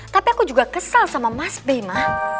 tapi aku juga kesel sama mas b ma